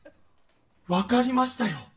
分かりましたよ。